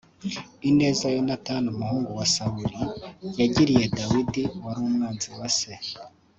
Ineza Yonatani umuhungu wa Sawuli yagiriye Dawidi wari umwanzi wa Se